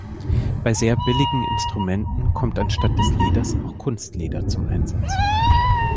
Bei sehr billigen Instrumenten kommt anstatt des Leders auch Kunstleder zum Einsatz.